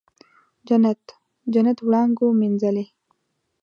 جنت، جنت وړانګو مینځلې